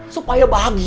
supaya bahagia kom